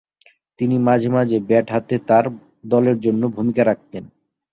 তিনি মাঝে মাঝে ব্যাট হাতে তার দলের জন্য ভূমিকা রাখতেন।